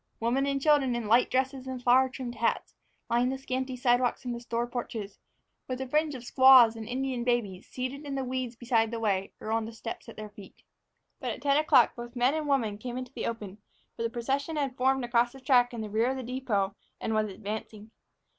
Women and children, in light dresses and flower trimmed hats, lined the scanty sidewalks and the store porches, with a fringe of squaws and Indian babies seated in the weeds beside the way or on the steps at their feet. But at ten o'clock both men and women came into the open, for the procession had formed across the track in the rear of the depot and was advancing.